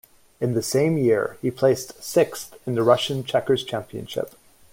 In the same year, he placed sixth in the Russian Checkers Championship.